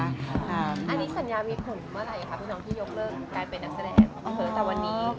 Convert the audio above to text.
อันนี้สัญญามีผลเมื่อไหร่ครับพี่น้องที่ยกเลิกการเป็นนักแสดงแต่วันนี้